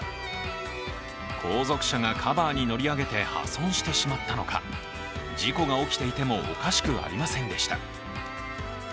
後続車がカバーに乗り上げて破損してしまったのか事故が起きていてもおかしくありませんでした。